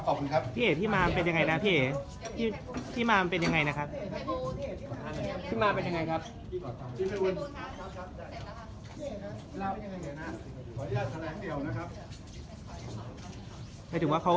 ขึ้นมาเป็นยังไงครับ